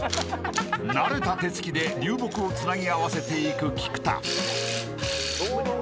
［慣れた手つきで流木をつなぎ合わせていく菊田］